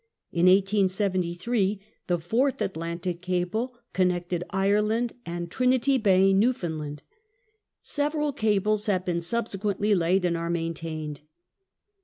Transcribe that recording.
In 1873 the fourth Atlantic cable connected Ireland and Trinity Bay, New Foundland. Several cables have been subsequently laid, and are maintained.